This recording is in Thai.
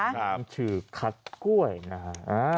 ขนมฉือคักกล้วยนะคะ